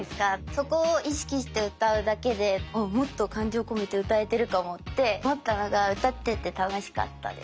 そこを意識して歌うだけでもっと感情込めて歌えてるかもって思ったのが歌ってて楽しかったです。